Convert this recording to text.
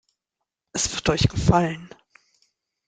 Es wird euch gefallen.